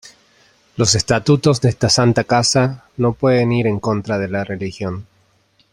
los estatutos de esta santa casa no pueden ir en contra de la Religión.